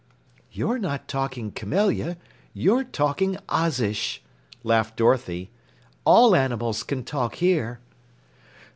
"You're not talking Camelia, you're talking Ozish," laughed Dorothy. "All animals can talk here."